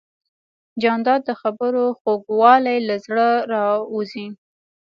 جانداد د خبرو خوږوالی له زړه راوزي.